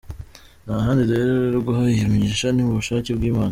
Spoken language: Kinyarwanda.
Nta handi duhererwa iyo migisha ni mu bushake bw’Imana.